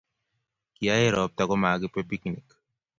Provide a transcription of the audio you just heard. kiyaech ropta komakibe piknik